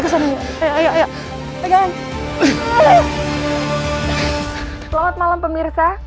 selamat malam pemirsa